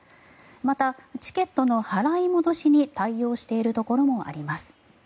また、チケットの払い戻しに対応しているところもあります。